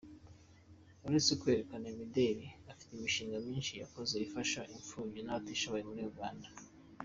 Uretse kwerekana imideli , afite imishinga myinshi yakoze ifasha imfubyi n’abatishoboye muri Uganda.